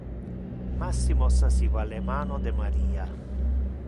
Massimo sasiva le mano de Maria.